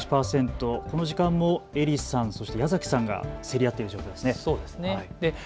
この時間も英利さん、そして矢崎さんが競り合っている状況ですね。